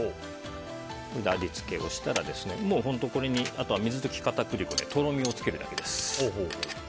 味付けをしたらこれにあとは水溶き片栗粉でとろみをつけるだけです。